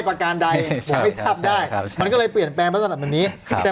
ประการใดไม่ทับได้มันก็เลยเปลี่ยนแปลงมาสำหรับแบบนี้แต่